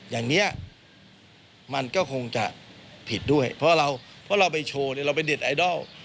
อย่างนี้มันก็คงจะผิดด้วยเพราะเราไปโชว์เราเป็นเด็ดไอดอล